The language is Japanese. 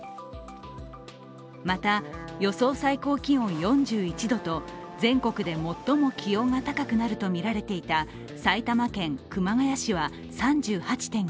また、予想最高気温４１度と全国で最も気温が高くなるとみられていた埼玉県熊谷市は３８．９度。